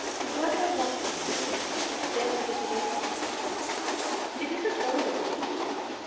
Why do I want him, and think about him, and fail to get away from him? "It isn't all of me.